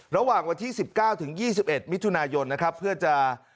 ระหว่างวันที่สิบเก้าถึงยี่สิบเอ็ดมิถุนายนนะครับเพื่อจะ